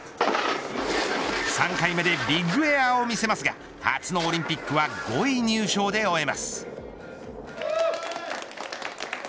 ３回目でビッグエアを見せますが初のオリンピックは５位入賞で終えます。